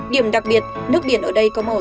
điểm đặc biệt nước biển ở đây có màu